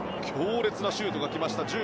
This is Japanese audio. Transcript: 強烈なシュートが来ました。